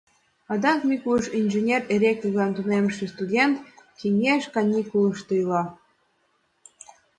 Адай Микуш, инженер-электриклан тунемше студент, кеҥеж каникулышто ила.